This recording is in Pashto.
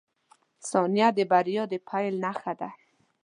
• ثانیه د بریا د پیل نښه ده.